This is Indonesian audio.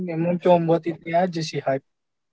emang cuma buat itu aja sih hype